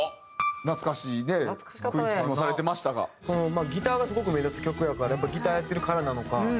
まあギターがすごく目立つ曲やからやっぱりギターやってるからなのか。